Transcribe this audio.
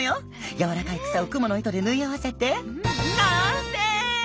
やわらかい草をクモの糸で縫い合わせて完成！